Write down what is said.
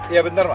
iya bentar ma